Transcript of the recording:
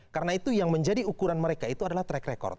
karena itu yang menjadi ukuran mereka itu adalah track record